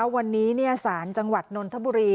วันนี้ศาลจังหวัดนนทบุรี